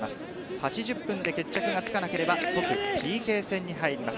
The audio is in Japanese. ８０分で決着がつかなければ即ＰＫ戦に入ります。